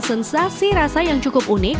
sensasi rasa yang cukup unik